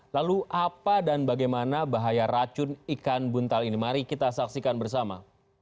lalu apa dan bagaimana bahaya racun ikan buntal ini mari kita saksikan bersama